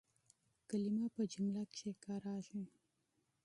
کلیمه په جمله کښي کارېږي.